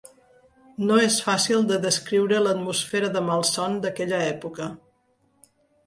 No és fàcil de descriure l'atmosfera de malson d'aquella època